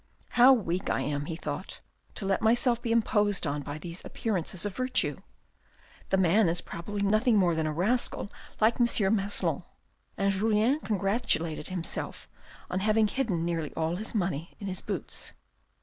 " How weak I am," he thought, " to let myself be imposed on by these appearances of virtue. The man is probably nothing more than a rascal, like M. Maslon," and Julien congratulated himself on having hidden nearly all his money in his boots.